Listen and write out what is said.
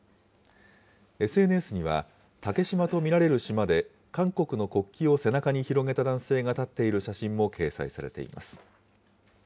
ＳＮＳには、竹島と見られる島で韓国の国旗を背中に広げた男性が立っている写真も掲載されています。